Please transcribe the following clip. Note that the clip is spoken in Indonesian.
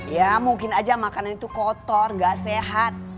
ya mungkin aja makanan itu kotor gak sehat